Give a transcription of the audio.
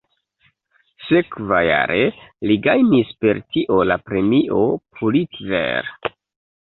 Sekvajare li gajnis per tio la Premio Pulitzer.